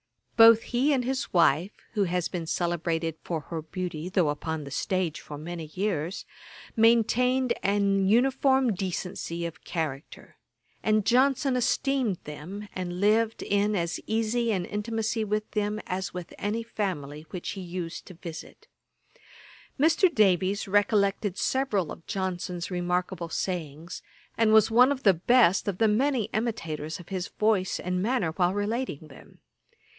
Both he and his wife, (who has been celebrated for her beauty,) though upon the stage for many years, maintained an uniform decency of character; and Johnson esteemed them, and lived in as easy an intimacy with them, as with any family which he used to visit. Mr. Davies recollected several of Johnson's remarkable sayings, and was one of the best of the many imitators of his voice and manner, while relating them.